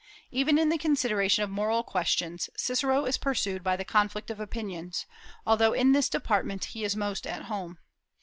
Even in the consideration of moral questions Cicero is pursued by the conflict of opinions, although in this department he is most at home.